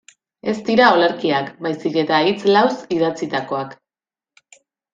Ez dira olerkiak, baizik eta hitz lauz idatzitakoak.